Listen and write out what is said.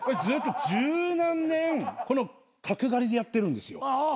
ずっと十何年この角刈りでやってるんですよ。